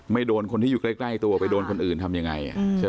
ไม่โดนคนที่อยู่ใกล้ตัวไปโดนคนอื่นทำยังไง